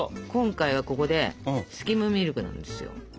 今回はここでスキムミルクなんですよ。えっ？